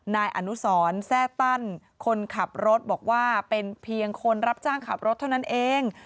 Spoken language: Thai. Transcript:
นายอนุสรแซ่ตั้นคนขับรถบอกว่าเป็นเพียงคนรับจ้างขับรถเท่านั้นเอง